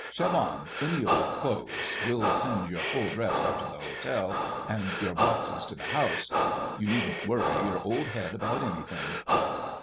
"Shove on any old clothes: we'll send your full dress up to the hotel, and your boxes to the house; and you needn't worry your old head about anything."